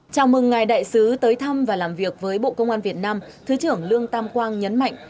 chào mừng ngài đại sứ tới thăm và làm việc với bộ công an việt nam thứ trưởng lương tam quang nhấn mạnh